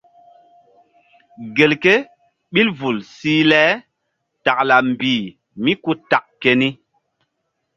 Gelke ɓil vul sih le takla mbih mí ku tak keni.